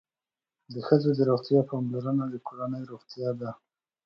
د ښځو د روغتیا پاملرنه د کورنۍ روغتیا ده.